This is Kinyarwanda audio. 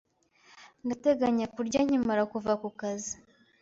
Ndateganya kurya nkimara kuva ku kazi.